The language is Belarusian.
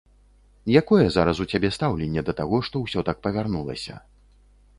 Якое зараз у цябе стаўленне да таго, што ўсё так павярнулася?